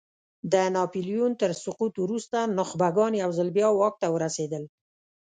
د ناپیلیون تر سقوط وروسته نخبګان یو ځل بیا واک ته ورسېدل.